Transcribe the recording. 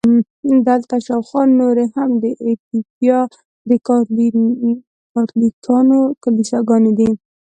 دلته شاوخوا نورې هم د ایټوپیا د کاتولیکانو کلیساګانې دي.